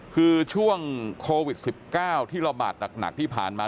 คือช่วงโควิดสิบเก้าที่ระบาดหนักหนักที่ผ่านมา